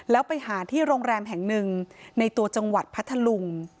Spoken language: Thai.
แล้วไปหาที่โรงแรมแห่งหนึ่งในตัวจังหวัดพัทธลุง